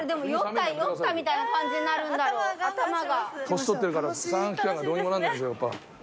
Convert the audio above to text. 年取ってるから三半規管がどうにもなんないんですよやっぱ。